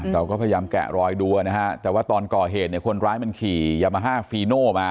เราก็พยายามแกะรอยดูนะฮะแต่ว่าตอนก่อเหตุเนี่ยคนร้ายมันขี่ยามาฮ่าฟีโน่มา